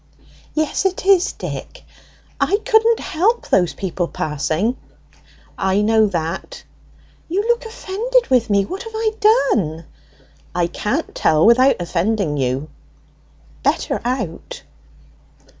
"Yes, it is, Dick. I couldn't help those people passing." "I know that." "You look offended with me. What have I done?" "I can't tell without offending you." "Better out."